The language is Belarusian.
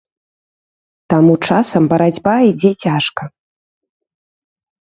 Таму часам барацьба ідзе цяжка.